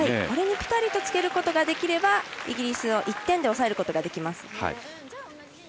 これにピタリとつけることができればイギリスを１点で抑えることができます。